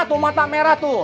tuh mata merah tuh